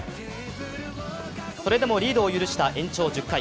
それでもリードを許した延長１０回